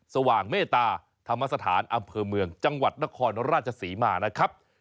สว่างเมตตาธรรมสถานอำเภอเมืองจังหวัดนครราชศรีมานะครับ